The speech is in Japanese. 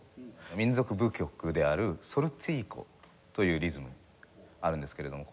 民族舞曲である『ソルツィーコ』というリズムあるんですけれども。